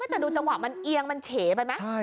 แต่ดูจังหวะมันเอียงมันเฉไปไหม